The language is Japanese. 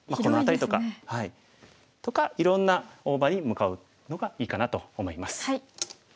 広いですね。とかいろんな大場に向かうのがいいかなと思います。